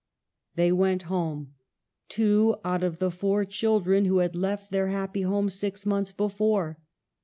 They went home, two out of the four children who had left their happy home six months be fore.